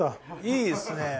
いいっすね。